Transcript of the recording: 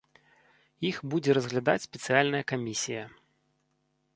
Іх будзе разглядаць спецыяльная камісія.